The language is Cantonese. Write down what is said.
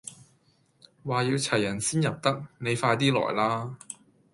話要齊人先入得，你快 D 來啦